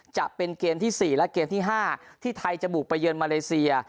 จะเป็นเกมที่๔และเกมที่๕ที่ไทยจะบุกไปเยือนมาเลเซีย